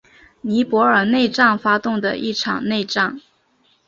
尼泊尔内战发动的一场内战。